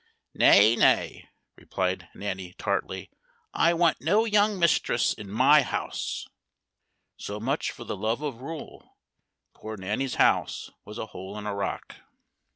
"Nay, nay," replied Nanny, tartly, "I want no young mistress in my house." So much for the love of rule poor Nanny's house was a hole in a rock!